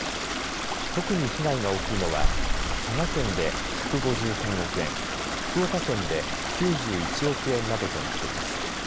特に被害が大きいのは佐賀県で１５３億円、福岡県で９１億円などとなっています。